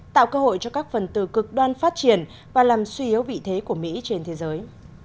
tạo cơ hội cho các phần từ cực đoan phát triển và làm suy yếu vị thế của mỹ trên thế giới